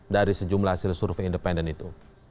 dari sejumlah hasil survei independen itu